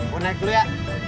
gue naik dulu ya